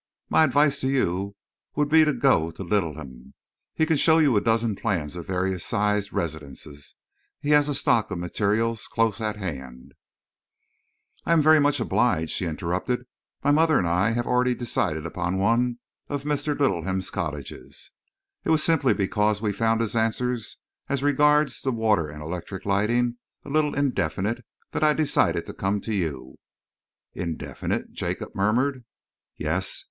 My advice to you would be to go to Littleham. He can show you a dozen plans of various sized residences, he has a stock of material close at hand " "I am very much obliged," she interrupted. "My mother and I have already decided upon one of Mr. Littleham's cottages. It was simply because we found his answers as regards the water and electric lighting a little indefinite, that I decided to come to you." "Indefinite?" Jacob murmured. "Yes.